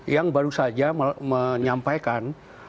yang baru saja menyampaikan